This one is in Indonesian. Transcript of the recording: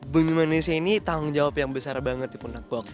bumi manusia ini tanggung jawab yang besar banget di pundakwa